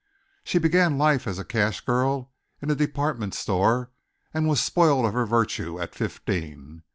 She began life as a cash girl in a department store and was spoiled of her virtue at fifteen.